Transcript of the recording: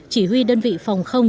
chỉ huy đơn vị phòng không